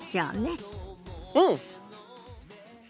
うん！